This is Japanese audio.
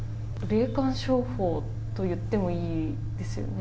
霊感商法といってもいいですよね。